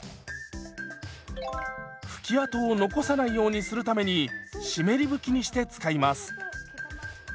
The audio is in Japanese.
拭き跡を残さないようにするために湿り拭きにして使います。